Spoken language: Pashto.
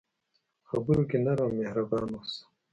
په خبرو کې نرم او مهربان اوسه.